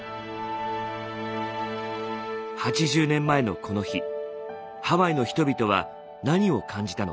８０年前のこの日ハワイの人々は何を感じたのか。